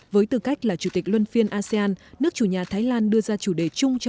với tư cách là chủ tịch luân phiên asean nước chủ nhà thái lan đưa ra chủ đề chung cho